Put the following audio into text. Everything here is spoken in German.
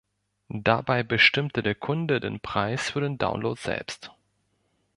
Dabei bestimmte der Kunde den Preis für den Download selbst.